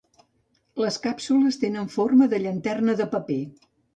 Les càpsules tenen forma de llanterna de paper.